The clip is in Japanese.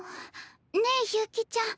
ねえ悠希ちゃん。